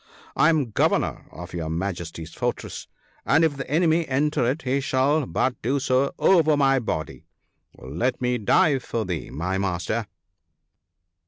I am governor of your Majesty's for tress, and if the enemy enter it he shall but do so over my body ; let me die for thee, my Master